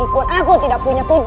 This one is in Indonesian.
meskipun aku tidak punya tujuan askol